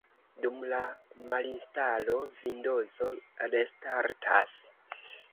Dum la malinstalo Vindozo restartas.